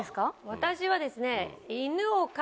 私はですね。